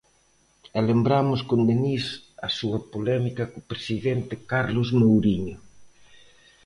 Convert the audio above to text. E lembramos con Denis a súa polémica co presidente Carlos Mouriño.